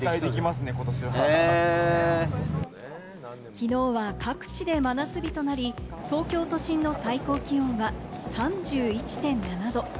きのうは各地で真夏日となり、東京都心の最高気温は３１．７度。